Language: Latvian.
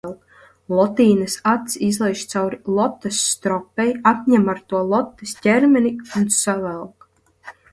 Lotlīnes aci izlaiž cauri lotes stropei, apņem ar to lotes ķermeni un savelk.